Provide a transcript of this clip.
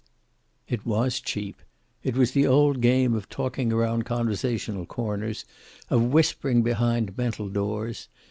It was cheap. It was the old game of talking around conversational corners, of whispering behind mental doors.